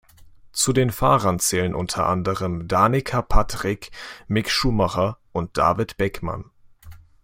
Zu den Fahrern zählen unter anderem Danica Patrick, Mick Schumacher und David Beckmann.